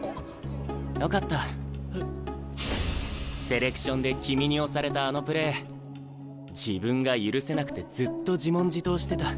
セレクションで君に圧されたあのプレー自分が許せなくてずっと自問自答してた。